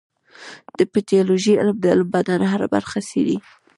د پیتالوژي علم د بدن هره برخه څېړي.